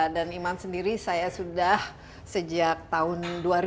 dan iman sendiri saya sudah sejak tahun dua ribu dua belas